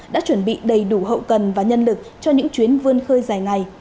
đã chuẩn bị đầy đủ hậu cần và nhân lực cho những chuyến vươn khơi dài ngày